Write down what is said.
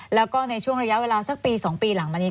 แล้วก็ในช่วงระยะเวลาสักปี๒ปีหลังมานี้